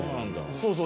そうそう。